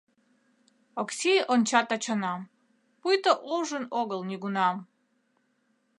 Оксий онча Тачанам, пуйто ужын огыл нигунам.